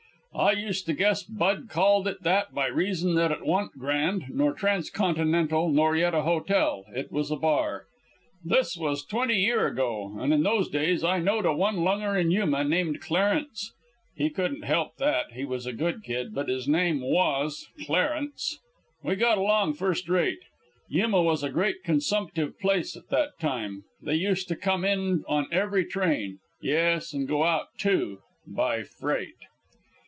(I used to guess Bud called it that by reason that it wa'n't grand, nor transcontinental, nor yet a hotel it was a bar.) This was twenty year ago, and in those days I knowed a one lunger in Yuma named Clarence. (He couldn't help that he was a good kid but his name was Clarence.) We got along first rate. Yuma was a great consumptive place at that time. They used to come in on every train; yes, and go out, too by freight.